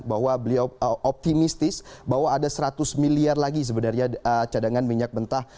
bahwa beliau optimistis bahwa ada seratus miliar lagi sebenarnya cadangan minyak mentah